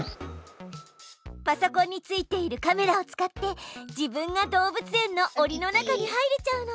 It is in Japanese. パソコンについているカメラを使って自分が動物園のおりの中に入れちゃうの。